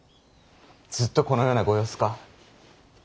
ずっとこのようなご様子か。